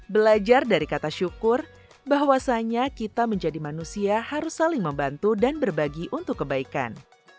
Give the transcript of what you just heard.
belajar dari kata syukur bahwasannya kita menjadi manusia harus saling membantu dan berbagi untuk kebaikan